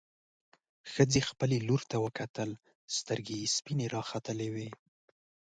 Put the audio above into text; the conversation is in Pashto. ښځې خپلې لور ته وکتل، سترګې يې سپينې راختلې وې.